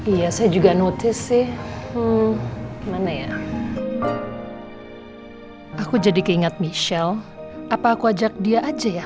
iya saya juga notice sih gimana ya aku jadi keingat michelle apa aku ajak dia aja ya